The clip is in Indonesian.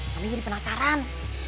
mami jadi penasaran